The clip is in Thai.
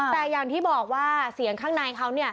แต่อย่างที่บอกว่าเสียงข้างในเขา